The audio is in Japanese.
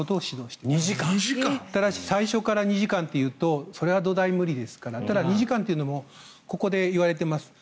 ただし最初から２時間というとそれは土台無理ですからただ、２時間というのもここでいわれています